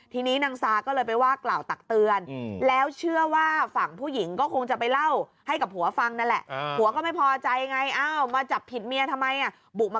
เรียกถึงหน้าอบตแล้วมาเกาะเหตุค่ะ